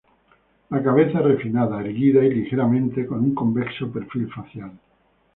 La cabeza es refinada, erguida y ligeramente con un convexo perfil facial.